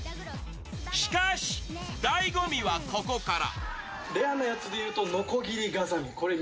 しかし、だいご味はここから。